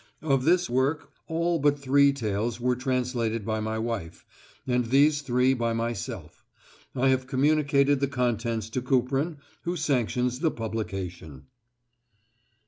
Of this work all but three tales were translated by my wife, and these three by myself. I have communicated the contents to Kuprin, who sanctions the publication.